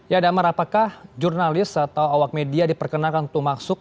ya damar apakah jurnalis atau awak media diperkenalkan untuk masuk